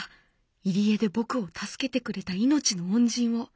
入り江で僕を助けてくれた命の恩人を。